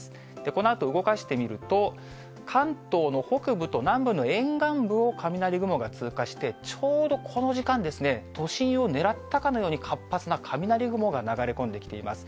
このあと動かしてみると、関東の北部と南部の沿岸部を雷雲が通過して、ちょうどこの時間ですね、都心を狙ったかのように、活発な雷雲が流れ込んできています。